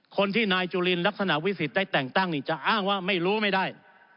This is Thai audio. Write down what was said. คนที่นายจุลินลักษณะวิสิทธิ์ได้แต่งตั้งนี่จะอ้างว่าไม่รู้ไม่ได้